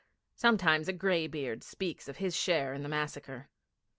Sometimes a graybeard speaks of his share in the massacre.